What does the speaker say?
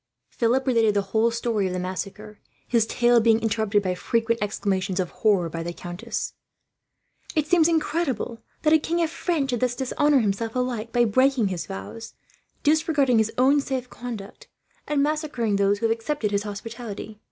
Philip related the whole story of the massacre, his tale being interrupted by frequent exclamations of horror, by the countess. "It seems incredible," she cried, "that a king of France should thus dishonour himself, alike by breaking his vows, disregarding his own safe conduct, and massacring those who had accepted his hospitality.